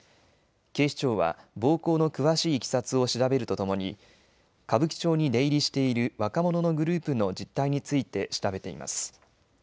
警視庁は暴行の詳しいいきさつを調べるとともに歌舞伎町に出入りしている若者のグループの実態について調べています。